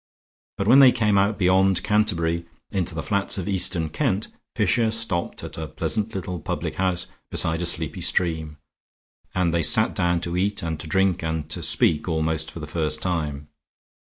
But when they came out beyond Canterbury into the flats of eastern Kent, Fisher stopped at a pleasant little public house beside a sleepy stream; and they sat down to eat and to drink and to speak almost for the first time.